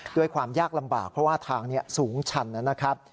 ด้วยความยากลำบากเพราะว่าทางนี้สูงชันนะครับ